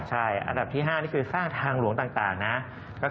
ใช่อันดับที่๕นี่คือสร้างทางหลวงต่างนะ